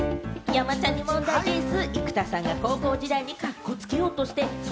山ちゃんに問題でぃす。